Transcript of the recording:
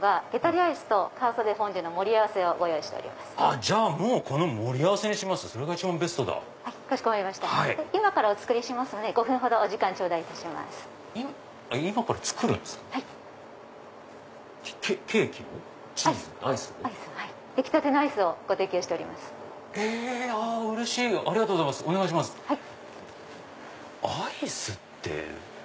アイスって。